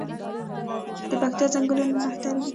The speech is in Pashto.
د پکتیا ځنګلونه نښتر دي